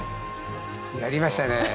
やりましたね。